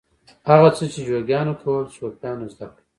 هغه څه چې جوګیانو کول صوفیانو زده کړل.